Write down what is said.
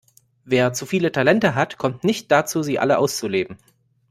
Wer zu viele Talente hat, kommt nicht dazu, sie alle auszuleben.